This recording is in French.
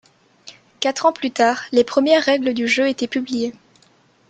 Quatre ans plus tard, les premières règles du jeu étaient publiées.